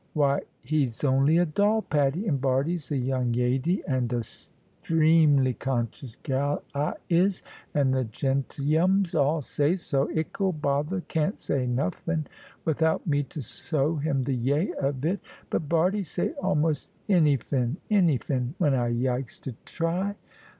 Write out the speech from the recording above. Why, 'e's only a doll, Patty, and Bardie's a young yady, and a 'streamly 'cocious gal I is, and the gentleyums all say so. Ickle bother can't say nuffin, without me to sow him the yay of it. But Bardie say almost anyfin; anyfin, when I yikes to ty.